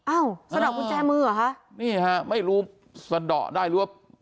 อ้าวสะดอกกุญแจมือเหรอคะนี่ฮะไม่รู้สะดอกได้หรือว่า